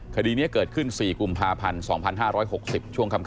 คดีนี้เกิดขึ้น๔กุมภาพันธ์๒๕๖๐ช่วงค่ำ